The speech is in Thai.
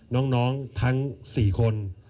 น้องทั้ง๔คน